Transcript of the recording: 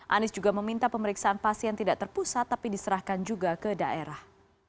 anies juga meminta pemeriksaan pasien tidak terpusat tapi diserahkan juga ke daerah